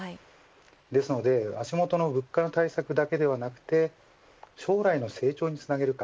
ですので足元の物価対策だけではなく将来の成長につなげるか